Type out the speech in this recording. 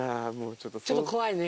ちょっと怖いね。